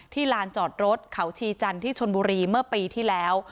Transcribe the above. ลานจอดรถเขาชีจันทร์ที่ชนบุรีเมื่อปีที่แล้ว